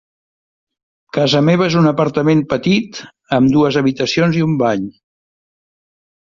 Casa meva és un apartament petit amb dues habitacions i un bany.